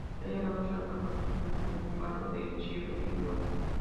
Ella lo rechaza porque es un niño con barba de chivo y bigote.